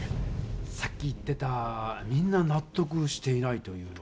さっき言ってた「みんななっとくしていない」というのは？